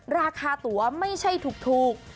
ราคาตัวไม่ใช่ถูก